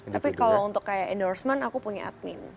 tapi kalau untuk kayak endorsement aku punya admin